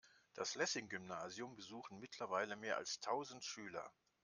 Das Lessing-Gymnasium besuchen mittlerweile mehr als tausend Schüler.